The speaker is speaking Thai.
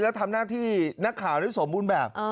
แล้วทำหน้าที่นักข่าวได้สมบูรณ์แบบ